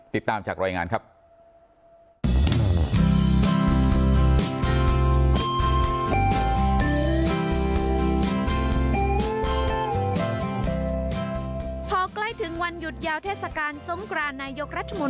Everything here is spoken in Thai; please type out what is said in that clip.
ติดตามจากรายงานครับ